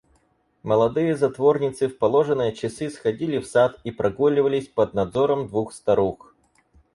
Молодые затворницы в положенные часы сходили в сад и прогуливались под надзором двух старух.